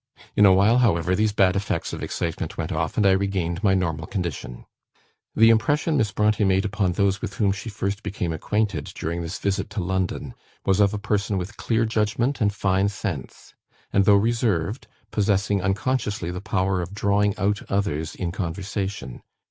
In a while, however, these bad effects of excitement went off, and I regained my normal condition." The impression Miss Brontë made upon those with whom she first became acquainted during this visit to London, was of a person with clear judgment and fine sense; and though reserved, possessing unconsciously the power of drawing out others in conversation.